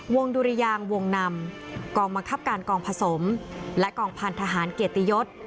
ดุริยางวงนำกองบังคับการกองผสมและกองพันธหารเกียรติยศ